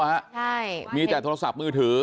ใช่มีแต่โทรศัพท์มือถือ